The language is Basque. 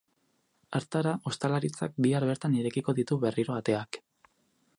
Hartara, ostalaritzak bihar bertan irekiko ditu berriro ateak.